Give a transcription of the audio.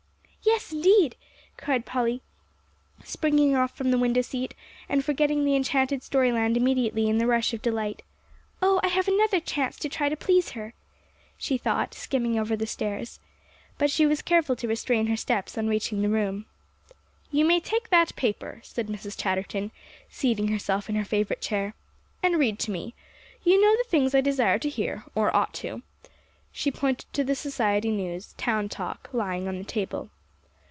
"Yes, indeed," cried Polly, springing off from the window seat, and forgetting the enchanted story land immediately in the rush of delight. "Oh, I have another chance to try to please her," she thought, skimming over the stairs. But she was careful to restrain her steps on reaching the room. "You may take that paper," said Mrs. Chatterton, seating herself in her favorite chair, "and read to me. You know the things I desire to hear, or ought to." She pointed to the society news, Town Talk, lying on the table.